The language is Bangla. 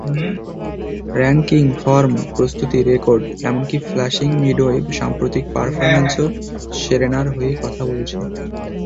র্যাঙ্কিং, ফর্ম, প্রস্তুতি, রেকর্ড—এমনকি ফ্লাশিং মিডোয় সাম্প্রতিক পারফরম্যান্সও সেরেনার হয়েই কথা বলছে।